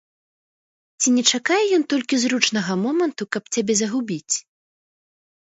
Ці не чакае ён толькі зручнага моманту, каб цябе загубіць?